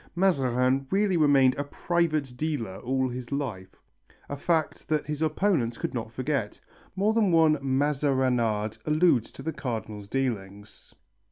Mazarin really remained a "private dealer" all his life, a fact that his opponents could not forget. More than one mazarinade alludes to the Cardinal's dealings.